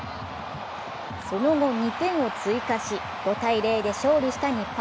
その後２点を追加し、５−０で勝利した日本。